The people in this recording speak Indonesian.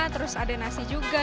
terus ada nasi juga